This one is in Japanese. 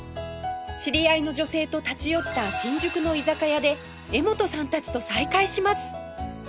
知り合いの女性と立ち寄った新宿の居酒屋で柄本さんたちと再会します